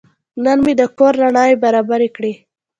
نن مې د کور رڼاوې برابرې کړې.